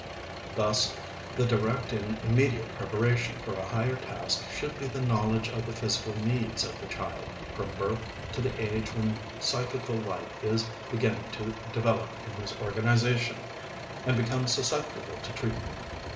Thus the direct and immediate preparation for a higher task should be the knowledge of the physical needs of the child, from birth to the age when psychical life is beginning to develop in his organization and becomes susceptible to treatment.